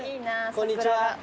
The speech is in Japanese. こんにちは。